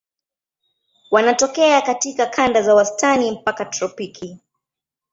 Wanatokea katika kanda za wastani mpaka tropiki.